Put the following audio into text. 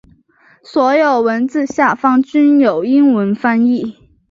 所有文字下方均有英文翻译。